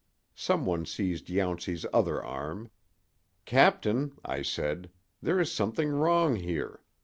Some one seized Yountsey's other arm. "Captain," I said, "there is something wrong here.